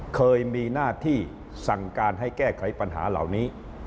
เคยมีหน้าที่สั่งการให้แก้ไขปัญหาเหล่านี้